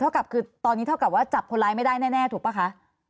กับคือตอนนี้เท่ากับว่าจับคนร้ายไม่ได้แน่ถูกป่ะคะ